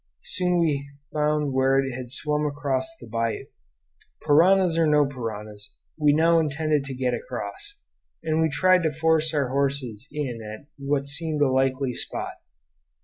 Soon we found where it had swum across the bayou. Piranhas or no piranhas, we now intended to get across; and we tried to force our horses in at what seemed a likely spot.